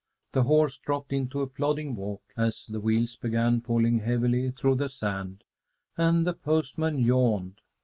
The horse dropped into a plodding walk as the wheels began pulling heavily through the sand, and the postman yawned.